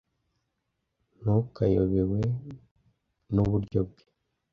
Ntukayobewe nuburyo bwe.